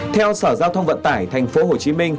theo sở giao thông vận tải tp hcm